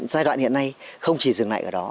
giai đoạn hiện nay không chỉ dừng lại ở đó